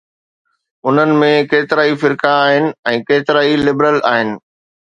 انهن ۾ ڪيترائي فرقا آهن ۽ ڪيترائي لبرل آهن.